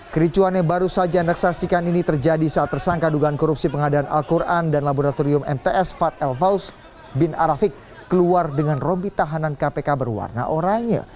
kericuan yang baru saja anda saksikan ini terjadi saat tersangka dugaan korupsi pengadaan al quran dan laboratorium mts fad el faus bin arafik keluar dengan rompi tahanan kpk berwarna oranye